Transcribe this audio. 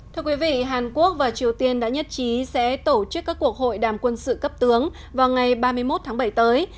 thưa quý vị hàn quốc và triều tiên đã nhất trí sẽ tổ chức các cuộc hội đàm quân sự cấp tướng vào ngày ba mươi một tháng bảy tới